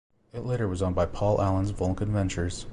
It later was owned by Paul Allen's Vulcan Ventures.